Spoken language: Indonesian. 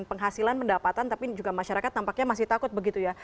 penghasilan pendapatan tapi juga masyarakat tampaknya masih takut begitu ya